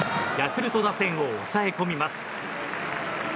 ヤクルト打線を抑え込みます。